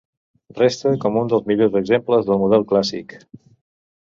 Resta com un dels millors exemples del model clàssic.